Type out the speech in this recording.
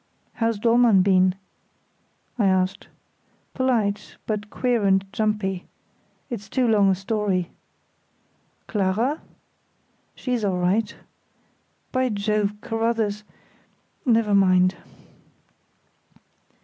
"How's Dollmann been?" I asked. "Polite, but queer and jumpy. It's too long a story." "Clara?" "She's all right. By Jove! Carruthers—never mind."